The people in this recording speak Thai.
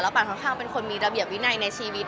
ปานค่อนข้างเป็นคนมีระเบียบวินัยในชีวิต